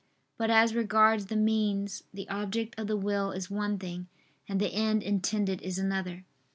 But as regards the means, the object of the will is one thing, and the end intended is another.